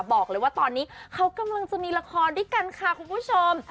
บอกเลยว่าตอนนี้เขากำลังจะมีละครด้วยกันค่ะคุณผู้ชม